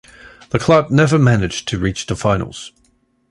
The club never managed to reach the finals.